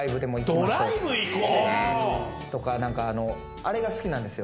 あれが好きなんですよ。